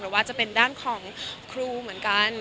ว่าจะเป็นด้านของครูเหมือนกัน